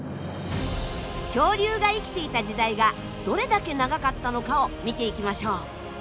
恐竜が生きていた時代がどれだけ長かったのかを見ていきましょう。